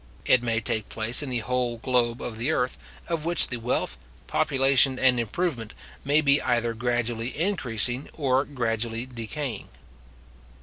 It may take place in the whole globe of the earth, of which the wealth, population, and improvement, may be either gradually increasing or gradually decaying.